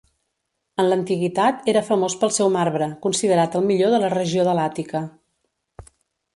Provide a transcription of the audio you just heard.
En l'antiguitat, era famós pel seu marbre, considerat el millor de la regió de l'Àtica.